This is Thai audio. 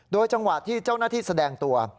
โดยจังหวะที่เจ้าหน้าที่แสดงตัว